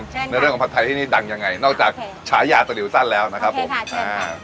เชิญค่ะในเรื่องของผัดไทยที่นี่ดังยังไงโอเคนอกจากชายาตะหลิวสั้นแล้วนะครับผมโอเคค่ะเชิญค่ะ